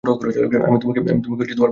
আমি তোমাকে বাড়ি পৌঁছে দেব।